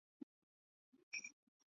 隋朝时开始频遣使贡方物。